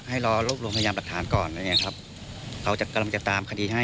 ให้รอรวบรวมพยานหลักฐานก่อนอะไรอย่างเงี้ยครับเขาจะกำลังจะตามคดีให้